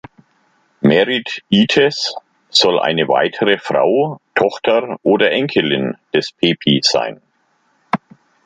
Merit-Ites soll eine weitere Frau, Tochter oder Enkelin des Pepi sein.